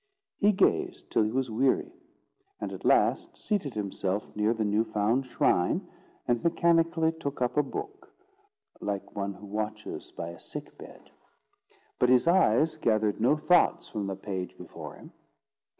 He gazed till he was weary, and at last seated himself near the new found shrine, and mechanically took up a book, like one who watches by a sick bed. But his eyes gathered no thoughts from the page before him.